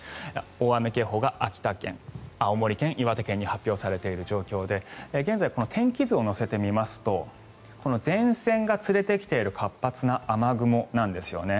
大雨警報が秋田県、青森県岩手県に発表されている状況で現在、天気図を乗せてみますと前線が連れてきている活発な雨雲なんですよね。